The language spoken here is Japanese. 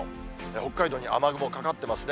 北海道に雨雲かかってますね。